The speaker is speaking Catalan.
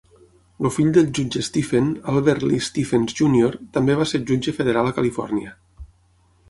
El fill del jutge Stephen, Albert Lee Stephens Júnior també va ser jutge federal a Califòrnia.